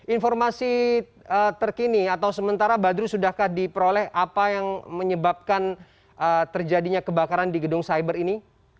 informasi terkini atau sementara badru sudahkah diperoleh apa yang menyebabkan terjadinya kebakaran di gedung cyber ini